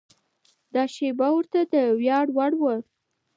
دا شېبه ورته د ویاړ وړ وه.